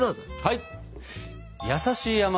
はい！